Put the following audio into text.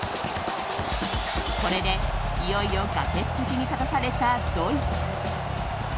これで、いよいよ崖っぷちに立たされたドイツ。